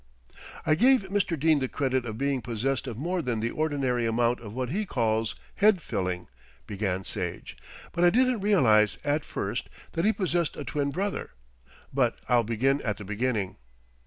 "I gave Mr. Dene the credit of being possessed of more than the ordinary amount of what he calls 'head filling,'" began Sage, "but I didn't realise at first that he possessed a twin brother; but I'll begin at the beginning."